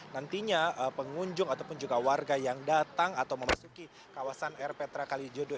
nantinya pengunjung ataupun juga warga yang datang atau memasuki kawasan erpetra kalijodo